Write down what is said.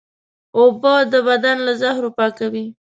اوبه د بدن له زهرو پاکوي